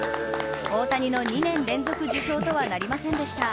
大谷の２年連続受賞とはなりませんでした。